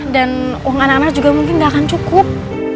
dan uang anak anak juga mungkin gak akan cukup